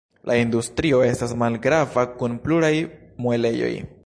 La industrio estas malgrava kun pluraj muelejoj.